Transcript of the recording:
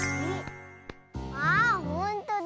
あほんとだ。